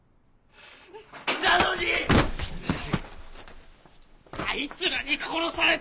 なのにあいつらに殺された！